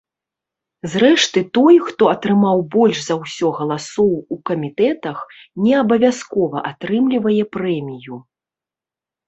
Зрэшты, той, хто атрымаў больш за ўсё галасоў у камітэтах, не абавязкова атрымлівае прэмію.